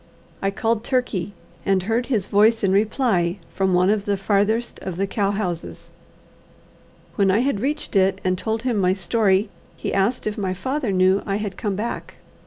I called Turkey, and heard his voice in reply from one of the farthest of the cow houses. When I had reached it and told him my story, he asked if my father knew I had come back.